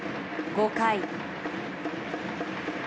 ５回。